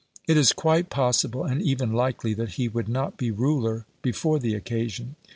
It is quite possible and even likely that he would not be ruler before the occasion.